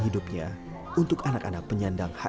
exactamente berapa lama namanya